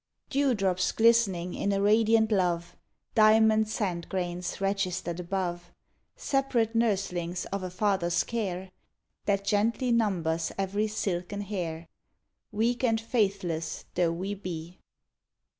Dewdrops glistening in a radiant love; Diamond sand grains registered above; Separate nurslings of a Father's care, That gently numbers every silken hair, Weak and faithless though we be.